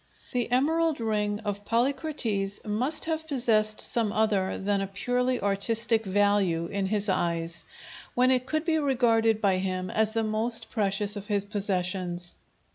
The emerald ring of Polycrates must have possessed some other than a purely artistic value in his eyes, when it could be regarded by him as the most precious of his possessions.